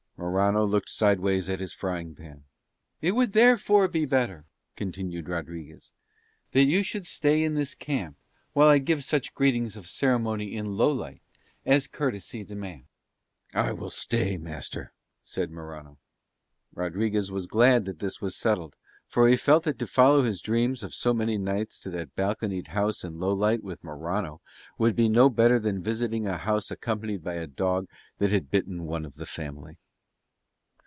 Morano looked sideways at his frying pan. "It would therefore be better," continued Rodriguez, "that you should stay in this camp while I give such greetings of ceremony in Lowlight as courtesy demands." "I will stay, master," said Morano. Rodriguez was glad that this was settled, for he felt that to follow his dreams of so many nights to that balconied house in Lowlight with Morano would be no better than visiting a house accompanied by a dog that had bitten one of the family.